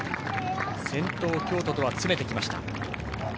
先頭、京都とは詰めてきました。